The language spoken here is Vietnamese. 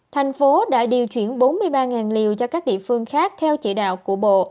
tp hcm đã điều chuyển bốn mươi ba liều cho các địa phương khác theo chỉ đạo của bộ